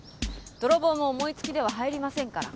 泥棒も思いつきでは入りませんから。